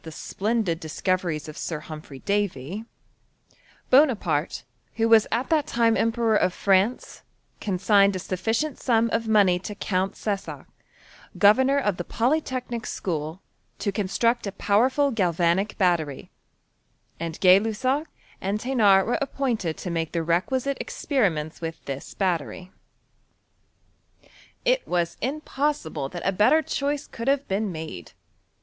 271 o£ the 8|dendki discoreries of Sir Humphry Darj, Booa^Mutey who ^as at that time Emperor of France, consigned a sufficient sum of money to Count Cessac, governor of the Polytechnic School, to construct a powerful galvanic battery ; and Gay Lussac and Thenard were appointed to make the requisite ex* periments with this battery. It was impossible that a better choice could have been made.